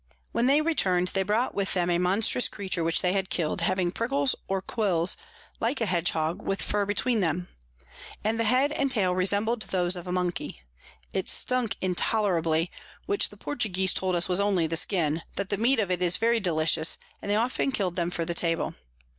When they return'd, they brought with them a monstrous Creature which they had kill'd, having Prickles or Quills like a Hedghog, with Fur between them, and the Head and Tail resembled those of a Monkey. It stunk intolerably, which the Portuguese told us was only the Skin; that the Meat of it is very delicious, and they often kill'd them for the Table.